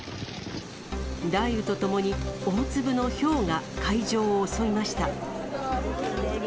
雷雨とともに大粒のひょうが会場を襲いました。